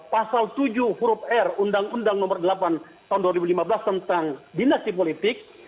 pasal tujuh huruf r undang undang nomor delapan tahun dua ribu lima belas tentang dinasti politik